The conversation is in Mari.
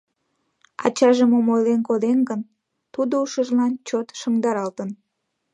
Ачаже мом ойлен коден гын, тудо ушыжлан чот шыҥдаралтын.